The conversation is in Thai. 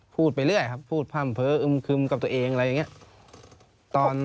พูดไปเรื่อยครับพูดพร่ำเพ้ออึมคึมกับตัวเองอะไรอย่างนี้